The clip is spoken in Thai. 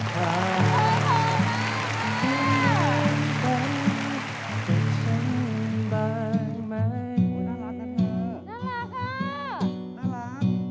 ขอบคุณมากค่ะ